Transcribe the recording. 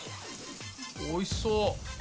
おいしそう。